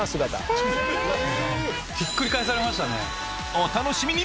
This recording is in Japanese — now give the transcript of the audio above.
お楽しみに！